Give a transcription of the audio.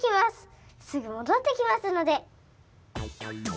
すぐもどってきますので。